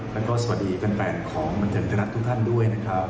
แล้วก็สวัสดีแฟนของบันเทิงไทยรัฐทุกท่านด้วยนะครับ